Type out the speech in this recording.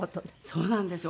そうなんですよ。